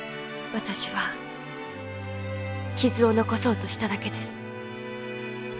私は傷を残そうとしただけです。